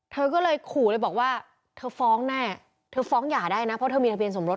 เธอก็เลยขู่เลยบอกว่าเธอฟ้องแน่เธอฟ้องหย่าได้นะเพราะเธอมีทะเบียสมรส